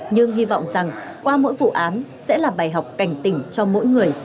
nhưng hy vọng rằng qua mỗi vụ án sẽ là bài học cảnh tỉnh cho mỗi người